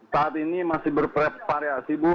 saat ini masih bervariasi bu